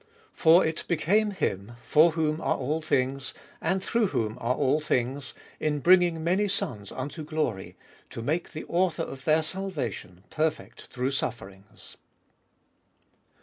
For it became Him, for whom are all things, and through whom are all things, in bringing1 many sons unto glory, to make the author2 of their salvation perfect through sufferings.